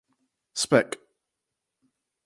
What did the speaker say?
Spec.